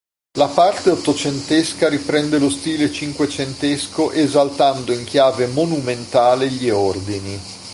La parte ottocentesca riprende lo stile cinquecentesco esaltando in chiave monumentale gli ordini.